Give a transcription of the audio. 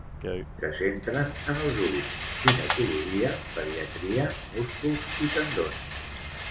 Se centren en els ulls, ginecologia, pediatria, músculs i tendons.